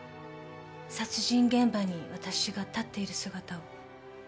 殺人現場にわたしが立っている姿を。